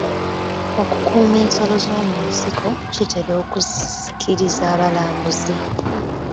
Okukuuma ensolo z'omu nsiko kitera okusikiriza abalambuzi.